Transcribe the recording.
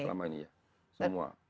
selama ini ya semua